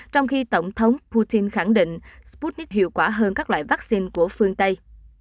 trong khi tổng thống putin khẳng định sputnik hiệu quả hơn các loại vaccine của phương tây